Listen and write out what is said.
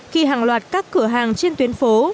khi hàng loạt các cửa hàng trên tuyến phố